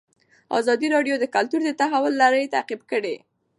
ازادي راډیو د کلتور د تحول لړۍ تعقیب کړې.